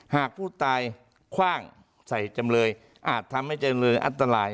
หากผู้ตายคว่างใส่จำเลยอาจทำให้จำเลยอันตราย